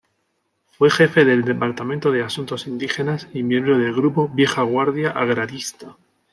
Fue jefe del departamento de asuntos indígenas y miembro del grupo "Vieja Guardia Agrarista".